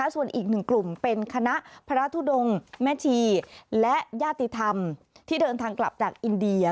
ส่วนอีกหนึ่งกลุ่มเป็นคณะพระทุดงแม่ชีและญาติธรรมที่เดินทางกลับจากอินเดีย